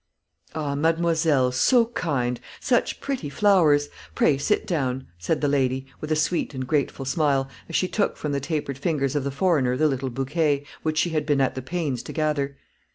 "Ah, mademoiselle, so kind such pretty flowers. Pray sit down," said the lady, with a sweet and grateful smile, as she took from the tapered fingers of the foreigner the little bouquet, which she had been at the pains to gather.